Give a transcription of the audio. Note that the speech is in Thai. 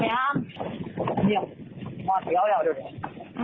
น่ารเหอะคใช่ไหม